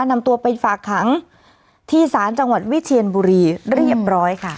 นำตัวไปฝากขังที่ศาลจังหวัดวิเชียนบุรีเรียบร้อยค่ะ